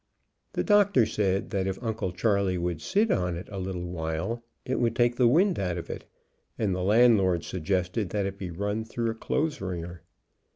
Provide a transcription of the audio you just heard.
The Doctor said if Uncle Charley would sit on it a little while it would take the wind out of it, and the Landlord suggested that it be run through a clothes wringer.